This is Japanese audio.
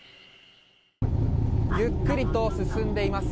ゆっくりと進んでいます。